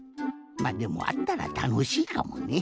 まっでもあったらたのしいかもね。